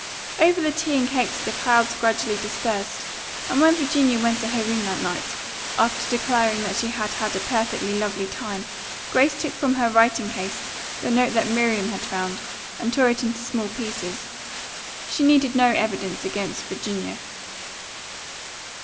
Over the tea and cakes the clouds gradually dispersed, and when Virginia went to her room that night, after declaring that she had had a perfectly lovely time, Grace took from her writing case the note that Miriam had found, and tore it into small pieces. She needed no evidence against Virginia.